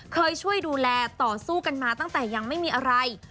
เคยช่วยดูแลต่อสู้กันมาตั้งแต่ยังไม่มีอะไร